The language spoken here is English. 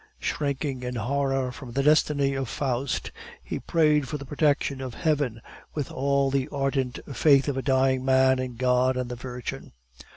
Shrinking in horror from the destiny of Faust, he prayed for the protection of Heaven with all the ardent faith of a dying man in God and the Virgin.